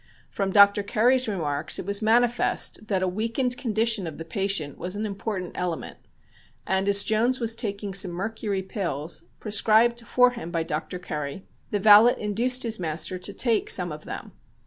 From Dr. Curry's remarks it was manifest that a weakened condition of the patient was an important element, and as Jones was taking some mercury pills (prescribed for him by Dr. Curry), the valet induced his master to take some of them.